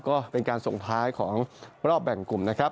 ก็เป็นการส่งท้ายของรอบแบ่งกลุ่มนะครับ